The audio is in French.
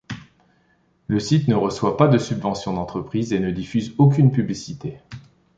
Le site ne reçoit pas de subventions d'entreprises et ne diffuse aucune publicité.